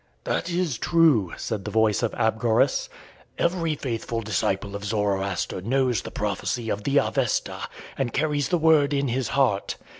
"That is true," said the voice of Abgarus; "every faithful disciple of Zoroaster knows the prophecy of the Avesta and carries the word in his heart.